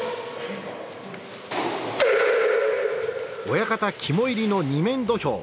親方肝煎りの２面土俵。